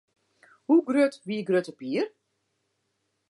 Hoe grut wie Grutte Pier?